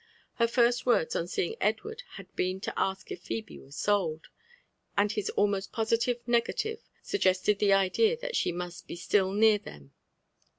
Her first words on seeing Edward had been to ask if Phebe were sold, and his almost positive negative suggested the idea that she must be still near them.